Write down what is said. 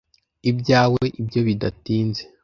ibyawe ibyo bidatinze